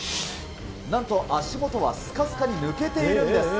なんと足元はすかすかに抜けているんです。